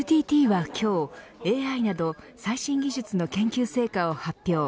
ＮＴＴは今日ＡＩなど最新技術の研究成果を発表。